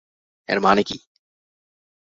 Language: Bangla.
এর মানে কি?